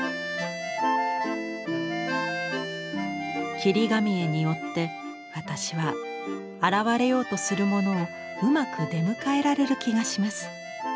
「切り紙絵によって私は現れようとするものをうまく出迎えられる気がします。